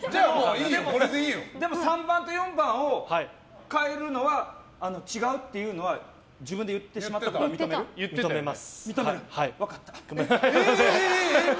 でも３番と４番を変えるのは違うっていうのは自分で言ってしまったことは認める？認めます。